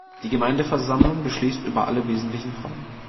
Die Gemeindeversammlung beschließt über alle wesentlichen Fragen.